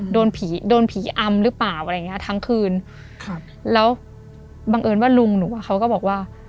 โดนผีอำหรือเปล่าอะไรอย่างนี้ทั้งคืนแล้วบังเอิญว่าลุงหนูเขาก็บอกว่า